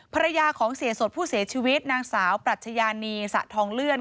ภรรยาของเสียสดผู้เสียชีวิตนางสาวปรัชญานีสะทองเลื่อน